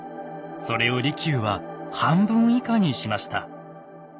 それを利休は半分以下にしました。